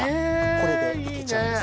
これでいけちゃうんです